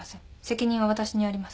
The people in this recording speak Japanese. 責任は私にあります。